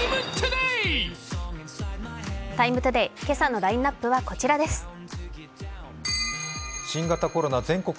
今朝のラインナップはこちらです。